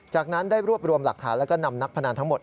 จากนั้นได้รวบรวมหลักฐานแล้วก็นำนักพนันทั้งหมด